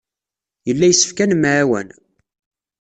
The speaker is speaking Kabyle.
Yella yessefk ad nemɛawan.